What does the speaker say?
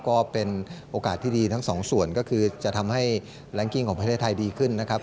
ก็เป็นโอกาสที่ดีทั้งสองส่วนก็คือจะทำให้แรงกิ้งของประเทศไทยดีขึ้นนะครับ